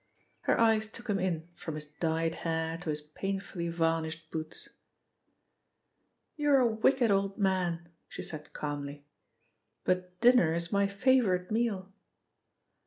Her eyes took him in from his dyed hair to his painfully varnished boots. "You're a wicked old man," she said calmly, "but dinner is my favourite meal."